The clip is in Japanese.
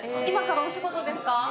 今からお仕事ですか？